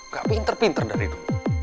gak pinter pinter dari itu